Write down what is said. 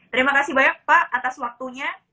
terima kasih banyak pak atas waktunya